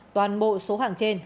toàn bộ số hàng trên